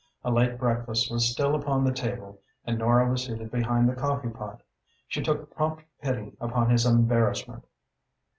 A late breakfast was still upon the table and Nora was seated behind the coffee pot. She took prompt pity upon his embarrassment.